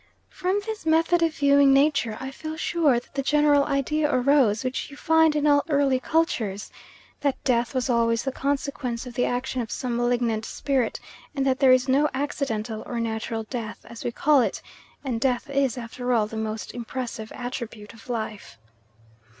From this method of viewing nature I feel sure that the general idea arose which you find in all early cultures that death was always the consequence of the action of some malignant spirit, and that there is no accidental or natural death, as we call it; and death is, after all, the most impressive attribute of life.